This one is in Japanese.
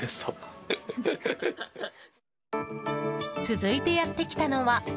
続いてやってきたのは。